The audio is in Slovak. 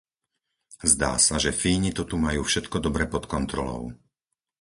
Zdá sa, že Fíni to tu majú všetko dobre pod kontrolou.